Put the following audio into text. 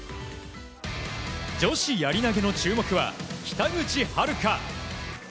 女子やり投げの注目は北口榛花。